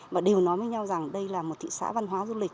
và đều nói với nhau rằng đây là một thị xã văn hóa du lịch